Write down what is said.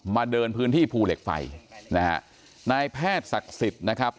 เดินพื้นที่ภูเหล็กไฟนะฮะนายแพทย์ศักดิ์สิทธิ์นะครับ